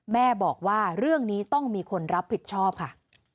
แม่บอกว่าเรื่องนี้ต้องมีคนรับผิดชอบค่ะ